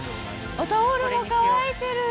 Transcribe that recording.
タオルも乾いてる。